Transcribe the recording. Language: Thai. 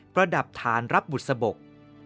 ประดับฐานรับบุตรสบก